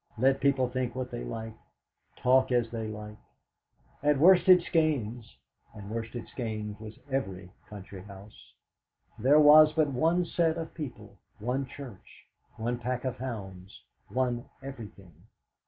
Let people think what they like, talk as they like." At Worsted Skeynes (and Worsted Skeynes was every country house) there was but one set of people, one church, one pack of hounds, one everything.